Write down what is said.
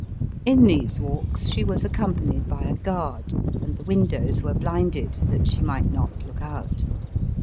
In these walks she was accompanied by a guard, and the windows were blinded that she might not look out.